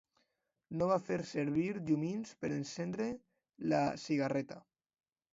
No va fer servir llumins per encendre la cigarreta.